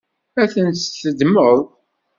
Ad tt-teddmeḍ?